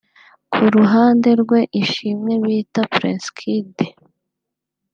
Ku ruhande rwe Ishimwe bita Prince Kid